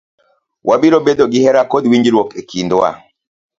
Wabiro bedo gi hera kod winjruok e kindwa.